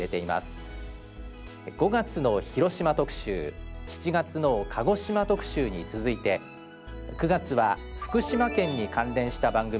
５月の広島特集７月の鹿児島特集に続いて９月は福島県に関連した番組を集中編成。